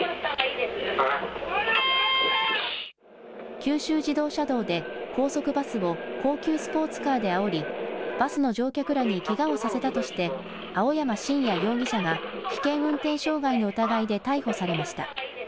九州自動車道で高速バスを高級スポーツカーであおりバスの乗客らにけがをさせたとして青山真也容疑者が危険運転傷害の疑いで逮捕されました。